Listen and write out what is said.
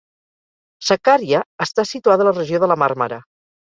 Sakarya està situada a la regió de la Màrmara.